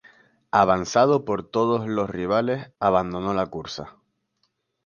Avanzado por todos los rivales, abandonó la cursa.